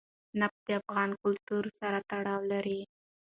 نفت د افغان کلتور سره تړاو لري.